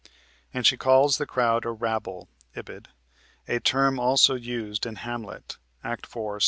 And she calls the crowd a "rabble" (Ib.), a term also used in "Hamlet" (Act 4, Sc.